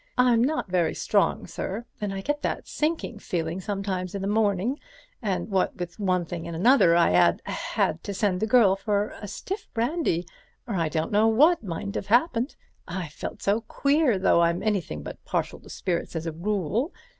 I'm not very strong, sir, and I get that sinking feeling sometimes in the morning, and what with one thing and another I 'ad—had to send the girl for a stiff brandy or I don't know what mightn't have happened. I felt so queer, though I'm anything but partial to spirits as a rule.